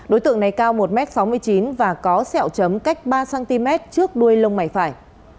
đối tượng này cao một m sáu mươi chín và có sẹo chấm cách ba cm trước đuôi lông mày phải